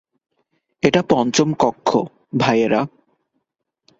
এটা পঞ্চম কক্ষ, ভাইয়েরা।